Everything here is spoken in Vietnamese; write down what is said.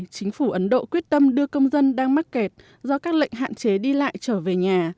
chính phủ ấn độ quyết tâm đưa công dân đang mắc kẹt do các lệnh hạn chế đi lại trở về nhà